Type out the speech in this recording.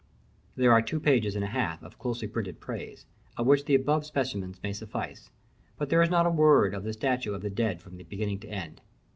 There are two pages and a half of closely printed praise, of which the above specimens may suffice; but there is not a word of the statue of the dead from beginning to end.